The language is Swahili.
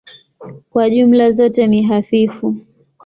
Kwa jumla zote ni hafifu.